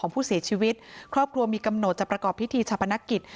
ผู้เสียชีวิตครอบครัวมีกำหนดจะประกอบพิธีชาปนกิจ